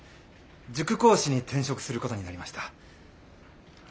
塾講師に転職する事になりました。